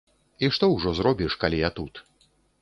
І што ўжо зробіш, калі я тут.